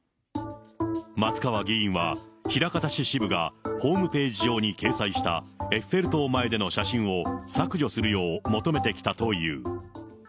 松川議員は枚方市支部がホームページ上に掲載したエッフェル塔前での写真を削除するよう求めてきたという。